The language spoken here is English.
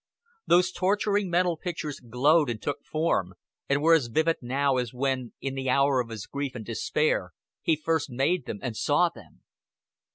Those torturing mental pictures glowed and took form, and were as vivid now as when, in the hour of his grief and despair, he first made them and saw them.